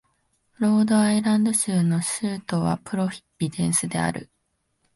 ロードアイランド州の州都はプロビデンスである